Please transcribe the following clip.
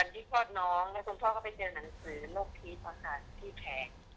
ตอนที่พ่อน้องแล้วคุณพ่อก็ไปเจอหนังสือนกฤทธิภาษาที่แพง